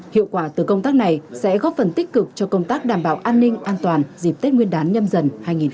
hiệu quả từ công tác này sẽ góp phần tích cực cho công tác đảm bảo an ninh an toàn dịp tết nguyên đán nhâm dần hai nghìn hai mươi bốn